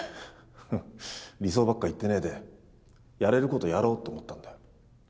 ふっ理想ばっか言ってねぇでやれることやろうって思ったんだよ。